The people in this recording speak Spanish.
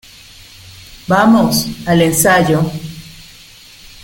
¡ vamos, al ensayo!